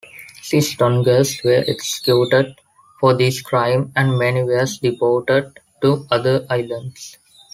Six Tongans were executed for this crime, and many were deported to other islands.